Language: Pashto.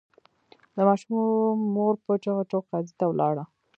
د ماشوم مور په چیغو چیغو قاضي ته ولاړه.